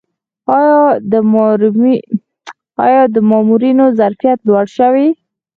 آیا د مامورینو ظرفیت لوړ شوی؟